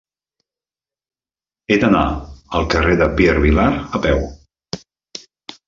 He d'anar al carrer de Pierre Vilar a peu.